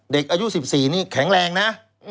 เด็กอายุ๑๔นี่แข็งแรงนะ